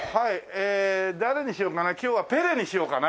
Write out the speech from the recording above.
ええ誰にしようかな今日はペレにしようかな。